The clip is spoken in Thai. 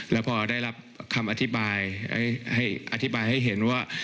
แล้วพอได้รับคำอธิบายอธิบายให้เห็นว่า